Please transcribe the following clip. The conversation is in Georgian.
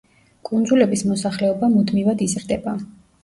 კუნძულების მოსახლეობა მუდმივად იზრდება.